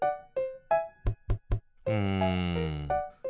うん。